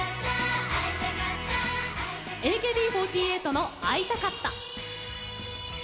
ＡＫＢ４８の「会いたかった」。